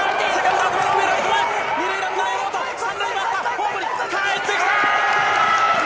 ホームにかえってきた！